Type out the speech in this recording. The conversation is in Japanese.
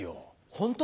ホント？